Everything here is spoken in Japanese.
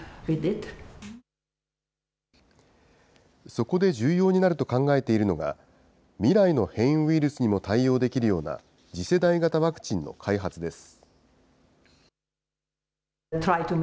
そこで重要になると考えているのが、未来の変異ウイルスにも対応できるような次世代型ワクチンの開発です。